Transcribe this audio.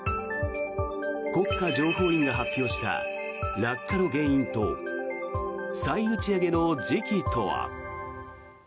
国家情報院が発表した落下の原因と再打ち上げの時期とは。